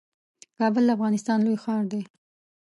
کابل د افغانستان لوی ښار دئ